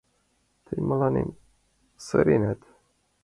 — Тый мыланем сыренат?